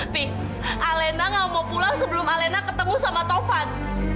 pi alena nggak mau pulang sebelum alena ketemu sama taufan